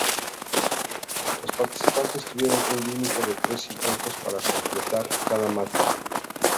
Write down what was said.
Los participantes tuvieron un límite de tres intentos para completar cada mate.